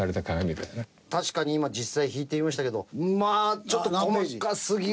確かに今実際引いてみましたけどまあちょっと細かすぎる。